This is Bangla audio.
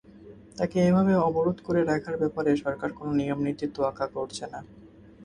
তাঁকে এভাবে অবরোধ করে রাখার ব্যাপারে সরকার কোনো নিয়ম-নীতির তোয়াক্কা করছে না।